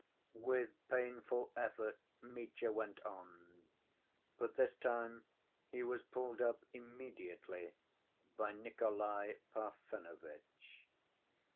With painful effort Mitya went on. But this time he was pulled up immediately by Nikolay Parfenovitch.